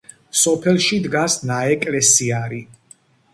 სოფელში დგას ნაეკლესიარი.